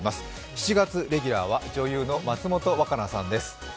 ７月レギュラーは女優の松本若菜さんです。